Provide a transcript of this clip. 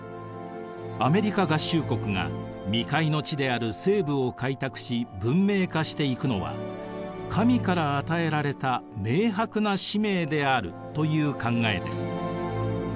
アメリカ合衆国が未開の地である西部を開拓し文明化していくのは「神から与えられた明白な使命である」という考えです。